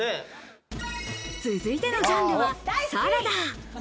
続いてのジャンルはサラダ。